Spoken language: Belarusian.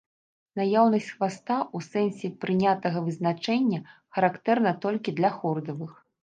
Наяўнасць хваста у сэнсе прынятага вызначэння характэрна толькі для хордавых.